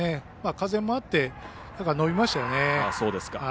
風もあって、伸びましたよね。